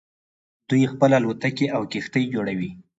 دوی خپله الوتکې او کښتۍ جوړوي.